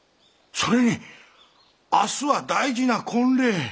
それに明日は大事な婚礼。